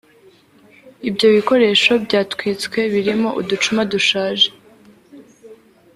Ibyo bikoresho byatwitswe birimo uducuma dushaje